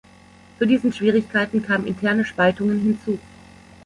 Zu diesen Schwierigkeiten kamen interne Spaltungen hinzu.